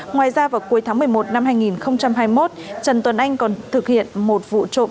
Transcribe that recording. ngoài ra vào cuối tháng một mươi một năm hai nghìn hai mươi một trần tuấn anh còn thực hiện một vụ trộm